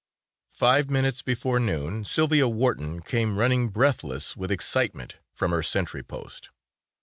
Five minutes before noon Sylvia Wharton came running breathless with excitement from her sentry post.